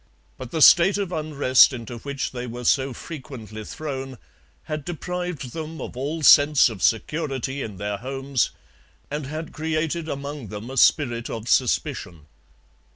But the state of unrest into which they were so frequently thrown had deprived them of all sense of security in their homes and had created among them a spirit of suspicion.